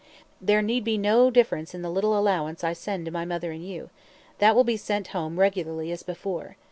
There need be no difference in the little allowance I sent to my mother and you that will be sent home regularly as before.